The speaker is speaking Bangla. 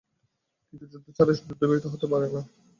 কিন্তু যুদ্ধ ছাড়া যুদ্ধবিরতি হতে পারে না।